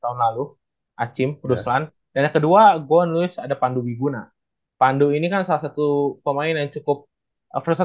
yang pertama ya acim gua pasti nulis